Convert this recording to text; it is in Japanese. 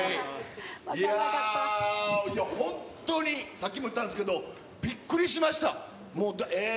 いやー、本当にさっきも言ったんですけど、びっくりしました。